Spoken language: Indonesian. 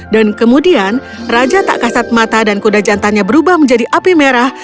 dan kemudian raja tak kesat mata dan kuda jantannya berubah menjadi api merah